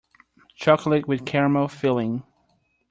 Chocolate with a caramel filling.